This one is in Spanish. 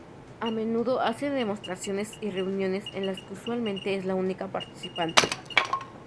A menudo hace demostraciones y reuniones en las que usualmente es la única participante.